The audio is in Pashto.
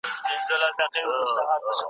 ولي د اولادونو روزنه ثواب لري؟